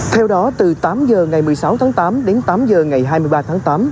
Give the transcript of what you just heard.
theo đó từ tám h ngày một mươi sáu tháng tám đến tám h ngày hai mươi ba tháng tám